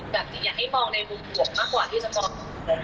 แบบนี้อยากให้มองในมุมห่วงมากกว่าที่จะมองตรงฝ่าย